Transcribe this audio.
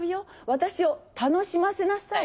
私を楽しませなさい。